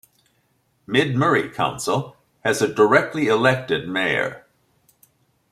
Mid Murray Council has a directly-elected mayor.